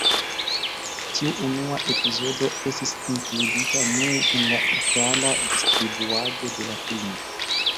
Tiu unua epizodo estis inkludita nur en la itala distribuado de la filmo.